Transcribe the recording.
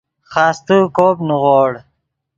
خاستے کوپ نیغوڑ